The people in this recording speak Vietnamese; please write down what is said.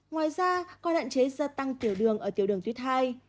ngoài ra có hạn chế gia tăng tiểu đường ở tiểu đường tuyết thai